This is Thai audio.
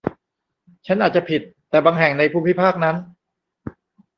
ฉันอาจจะผิด แต่บางแห่งในภูมิภาคนั้น